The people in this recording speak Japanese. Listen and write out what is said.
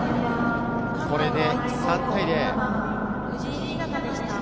これで３対０。